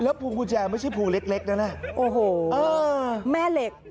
แล้วภูมิกุญแจไม่ใช่ภูมิเล็กนั่นแหละโอ้โหอ่าแม่เหล็ก